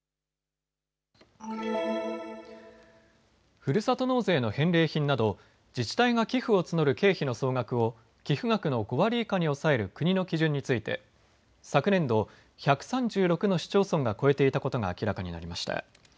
ふるさと納税の返礼品など自治体が寄付を募る経費の総額を寄付額の５割以下に抑える国の基準について昨年度、１３６の市町村が超えていたことが明らかになりました。